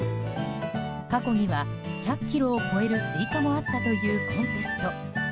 過去には１００ｋｇを超えるスイカもあったというコンテスト。